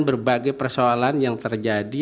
berbagai persoalan yang terjadi